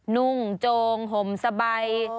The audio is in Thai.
นุ่งโจงห่มสบาย